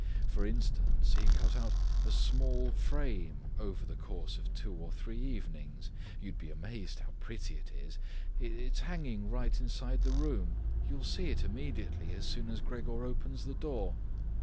For instance, he cut out a small frame over the course of two or three evenings. You'd be amazed how pretty it is. It's hanging right inside the room. You'll see it immediately, as soon as Gregor opens the door.